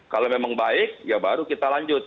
kalau memang baik ya baru kita lanjut